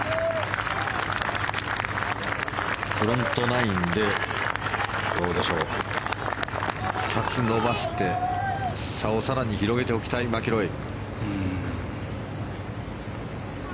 フロントナインでどうでしょう２つ伸ばして差を更に広げておきたいマキロイ。